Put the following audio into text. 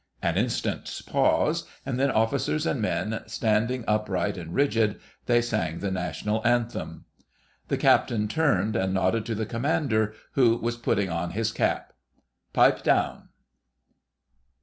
An instant's pause, and then, Officers and men standing upright and rigid, they sang the National Anthem. The Captain turned and nodded to the Commander, who was putting on his cap. "Pipe down."